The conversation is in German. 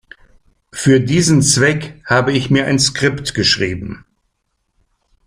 Für diesen Zweck habe ich mir ein Skript geschrieben.